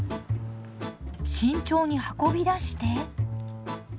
慎重に運び出して。